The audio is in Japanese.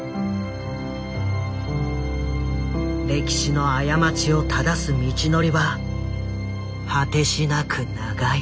歴史の過ちをただす道のりは果てしなく長い。